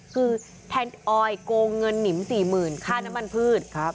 คือแทนออยโกงเงินนิ้มสี่หมื่นค่าน้ำมันพืชครับ